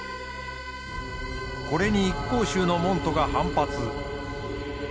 これに一向宗の門徒が反発。